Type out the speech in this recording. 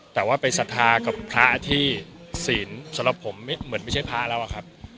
แต่ว่าไปศรัทธากับพระที่ศีลสำหรับผมเหมือนไม่ใช่พระแล้วอะครับ